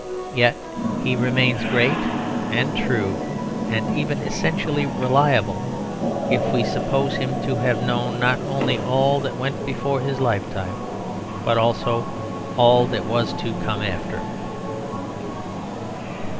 Yet he remains great and true, and even essentially reliable, if we suppose him to have known not only all that went before his lifetime, but also all that was to come after.